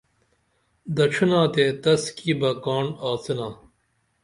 دڇھینا تے تس کی بہ کاںڻ آڅنا